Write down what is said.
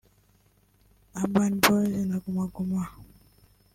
Urban boyz na Guma Guma